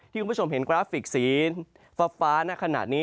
คุณผู้ชมเห็นกราฟิกสีฟ้าณขณะนี้